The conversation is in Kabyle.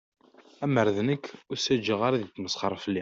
Amer d nekk, ur as-ttaǧǧaɣ ara ad yesmesxer fell-i.